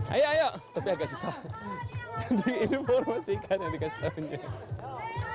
ayo ayo tapi agak susah diinformasikan yang dikasih tahunnya